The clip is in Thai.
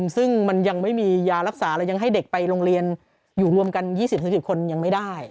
ซึ่งมันยังไม่มียารักษาเรายังให้เด็กไปโรงเรียนอยู่รวมกัน๒๐๑๐คนยังไม่ได้